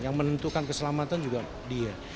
yang menentukan keselamatan juga dia